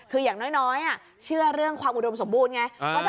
คืออย่างน้อยเชื่อเรื่องความอุดมสมบูรณ์ไง